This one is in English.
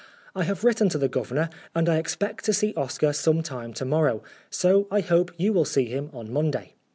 I have written to the Governor, and I expect to see Oscar some time to morrow, so I hope you will see him on Monday.